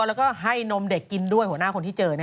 แล้วก็ให้นมเด็กกินด้วยหัวหน้าคนที่เจอ